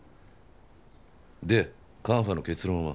でカンファの結論は？